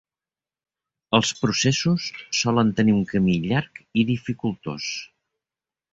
Els processos solen tenir un camí llarg i dificultós.